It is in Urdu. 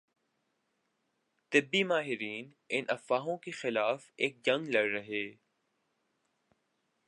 طبی ماہرین ان افواہوں کے خلاف ایک جنگ لڑ رہے